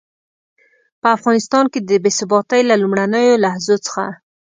په افغانستان کې د بې ثباتۍ له لومړنيو لحظو څخه.